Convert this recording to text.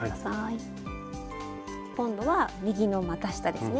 今度は右のまた下ですね。